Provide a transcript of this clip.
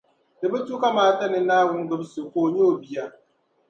Di bi tu kamaata ni Naawuni gbibi so ka o nyɛ O bia.